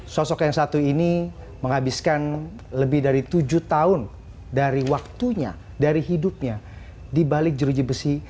sosok yang satu ini menghabiskan lebih dari tujuh tahun dari waktunya dari hidupnya di balik jeruji besi